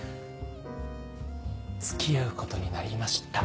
付き合うことになりました。